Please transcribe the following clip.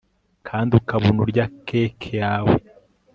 kandi ukabona urya cake yawe